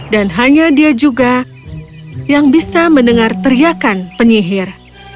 dan hanya dia juga yang bisa mendengar teriakan penyihir